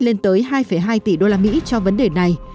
lên tới hai hai tỷ usd cho vấn đề này